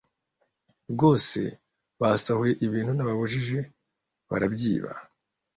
rwose basahuye ibintu nababujije, barabyiba.